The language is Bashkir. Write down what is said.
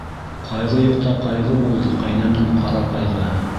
Ҡайғы юҡта ҡайғы булды ҡәйнәмдең ҡара ҡайғыһы.